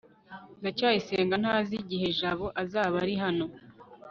ndacyayisenga ntazi igihe jabo azaba ari hano